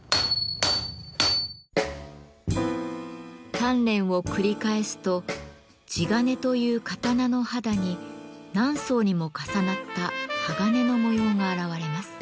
鍛錬を繰り返すと地鉄という刀の肌に何層にも重なった鋼の模様が現れます。